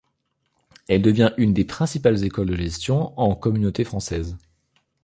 Elle devient une des principales école de gestion en Communauté française.